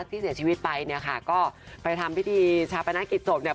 ที่เสียชีวิตไปเนี่ยค่ะก็ไปทำพิธีชาปนกิจศพเนี่ย